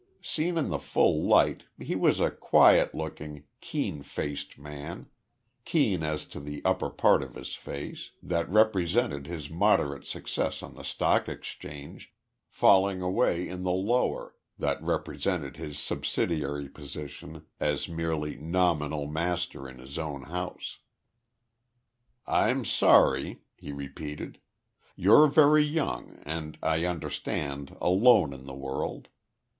Seen in the full light, he was a quiet looking, keen faced man, keen as to the upper part of his face that represented his moderate success on the Stock Exchange falling away in the lower that represented his subsidiary position as merely nominal master in his own house. "I'm sorry," he repeated. "You're very young, and I understand, alone in the world.